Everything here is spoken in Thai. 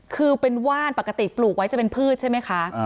คือเป็นว่านปกติปลูกไว้จะเป็นพืชใช่ไหมคะ